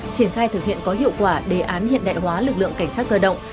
triển khai thực hiện có hiệu quả đề án hiện đại hóa lực lượng cảnh sát cơ động